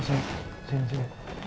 ya gak apa apa